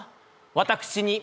私に」